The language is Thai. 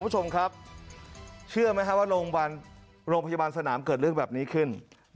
ผู้ชมครับเชื่อไหมครับว่าโรงพยาบาลสนามเกิดเรื่องแบบนี้ขึ้น